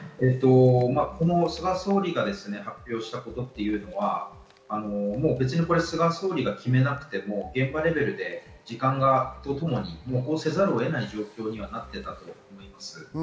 菅総理が発表したことは、菅総理が決めなくても現場レベルで時間とともにせざるを得ない状況になっていたと思います。